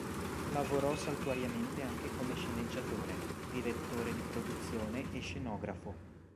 Lavorò saltuariamente anche come sceneggiatore, direttore di produzione e scenografo.